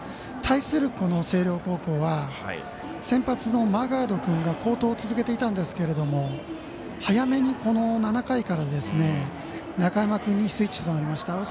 対する、星稜高校は先発のマーガード君が好投を続けていたんですが早めに７回から中山君にスイッチとなりました。